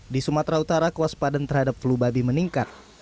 di sumatera utara kuas padan terhadap flu babi meningkat